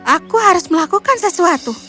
aku harus melakukan sesuatu